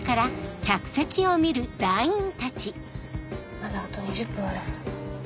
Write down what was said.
まだあと２０分ある。